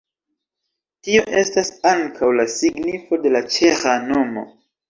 Tio estas ankaŭ la signifo de la ĉeĥa nomo.